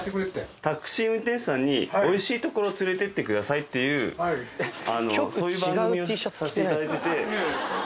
タクシー運転手さんに美味しいところ連れてってくださいっていうそういう番組をさせていただいてて。